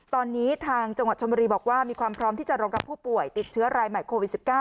ตอนนี้ทางจังหวัดชนบุรีบอกว่ามีความพร้อมที่จะรองรับผู้ป่วยติดเชื้อรายใหม่โควิด๑๙